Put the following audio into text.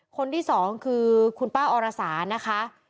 คนที่สองคือคุณป้าอรสานะคะ